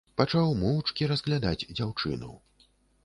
Пачаў моўчкі разглядаць дзяўчыну.